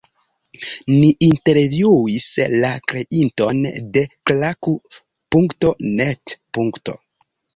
Ni intervjuis la kreinton de Klaku.net.